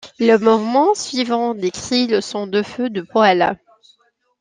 Le mouvement suivant décrit les sons du feu du poêle.